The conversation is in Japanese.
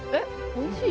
おいしい。